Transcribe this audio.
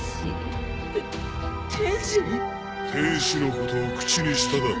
天使のことを口にしただろう。